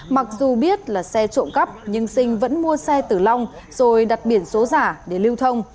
mặc dù biết là xe trộm cắp nhưng sinh vẫn mua xe tử long rồi đặt biển số giả để lưu thông